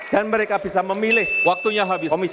dan mereka bisa memilih komisioner yang paling baik